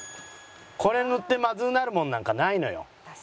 これ塗ってまずうなるもんなんかないのよ。